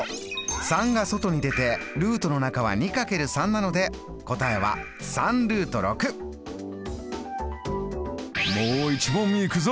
３が外に出てルートの中は２×３なので答えはもう一問いくぞ！